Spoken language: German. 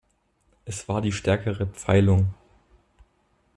Es war die stärkere Pfeilung.